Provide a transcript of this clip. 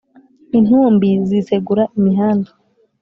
Intumbi zisegura imihanda